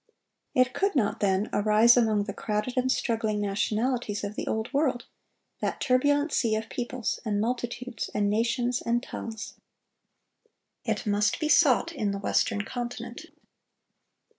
It could not, then, arise among the crowded and struggling nationalities of the Old World,—that turbulent sea of "peoples, and multitudes, and nations, and tongues." It must be sought in the Western Continent.